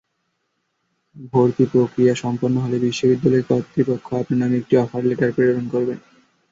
ভর্তি প্রক্রিয়া সম্পন্ন হলে বিশ্ববিদ্যালয় কর্তৃপক্ষ আপনার নামে একটি অফার লেটার প্রেরণ করবে।